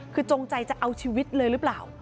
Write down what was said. คือจงใจจะเอาชีวิตเลยหรือเปล่า